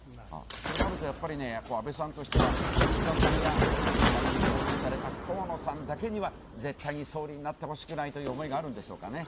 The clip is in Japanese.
となると、安倍さんとしては石破さんや小泉さんに応援された河野さんだけには絶対に総理になってほしくないという思いがあるんでしょうかね。